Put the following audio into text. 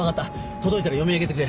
届いたら読み上げてくれ。